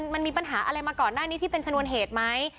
มันมีปัญหาอะไรมาก่อนหน้านี้ที่เป็นชนวนเหตุไหม